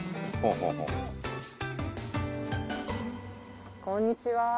こんにちは。